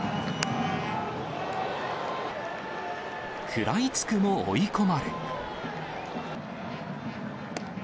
食らいつくも追い込まれ。